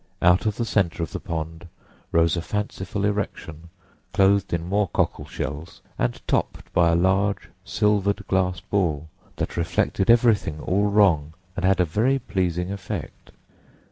Out of the centre of the pond rose a fanciful erection clothed in more cockle shells and topped by a large silvered glass ball that reflected everything all wrong and had a very pleasing effect.